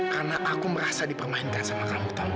karena aku merasa dipermainkan sama kamu tau gak